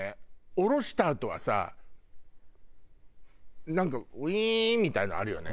下ろしたあとはさなんかウィーンみたいなのあるよね。